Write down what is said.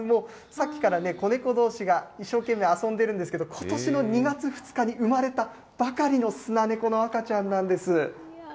さっきからね、子ネコどうしが一生懸命遊んでるんですけれども、ことしの２月２日に生まれたばかりのスナネコの赤ちゃんなんです。